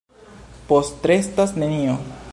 Postrestas nenio.